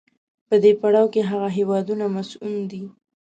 په دې پړاو کې هغه هېوادونه مصون دي.